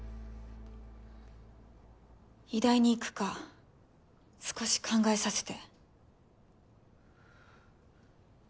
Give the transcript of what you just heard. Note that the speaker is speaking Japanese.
医大に行くか少し考えさせて。